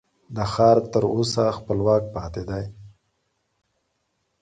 دا ښار تر اوسه خپلواک پاتې دی.